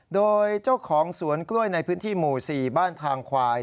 โดยเจ้าของสวนกล้วยในพื้นที่หมู่๔บ้านทางควาย